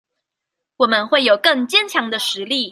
我們會有更堅強的實力